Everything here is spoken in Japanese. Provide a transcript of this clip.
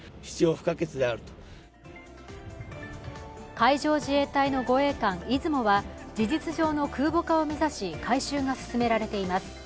海上自衛隊の護衛艦「いずも」は事実上の空母化を目指し改修が進められています。